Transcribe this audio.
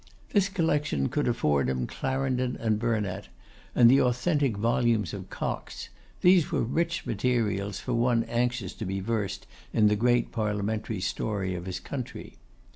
This collection could afford him Clarendon and Burnet, and the authentic volumes of Coxe: these were rich materials for one anxious to be versed in the great parliamentary story of his country.